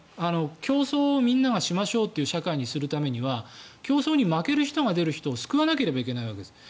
競争をみんながしましょうという社会にするためには競争に負ける人が出る人を救わなければいけないわけです。